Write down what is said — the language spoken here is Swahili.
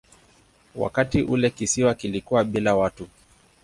Wakati ule kisiwa kilikuwa bila watu.